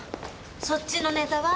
そっちのネタは？